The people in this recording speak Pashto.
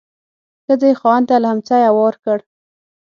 ښځې یې خاوند ته لیهمڅی هوار کړ.